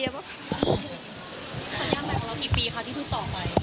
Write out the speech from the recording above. สัญญาณแม่งของเราพี่ปีค่ะที่ทุกต่อไป